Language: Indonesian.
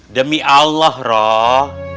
demi allah rodh